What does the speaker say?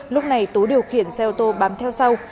lúc này tú điều khiển xe ô tô bám theo sau